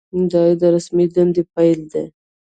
دا یې د رسمي دندې پیل دی.